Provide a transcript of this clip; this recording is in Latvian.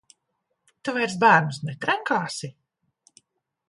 Tu vairs bērnus netrenkāsi?